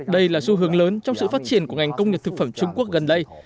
đây là xu hướng lớn trong sự phát triển của ngành công nghiệp thực phẩm trung quốc gần đây